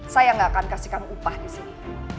saya gak akan kasihkan upah disini